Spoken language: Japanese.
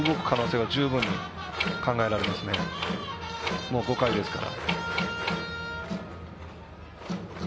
もう５回ですから。